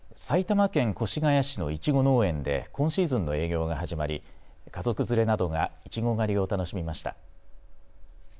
埼玉県越谷市のいちご農園で今シーズンの営業が始まり家族連れなどがいちご狩りを楽しみました。